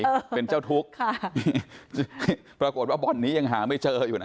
เออเป็นเจ้าทุกข์ค่ะปรากฏว่าบ่อนนี้ยังหาไม่เจออยู่นะ